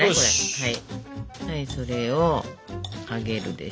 はい。